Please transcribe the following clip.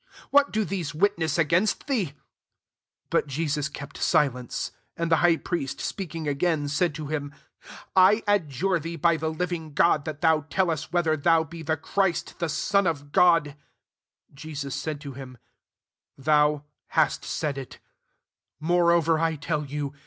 what do these witness against thee l^ 63 But Jesus kept silence. And tlie hig^i priest speaking agairiy ssdd to him, " I adjure thee by the living God, that thou tell us, whether thou be the Christ, the Son of God. 64 Jesus said to him, " Thou hast said it: moreover I tell you.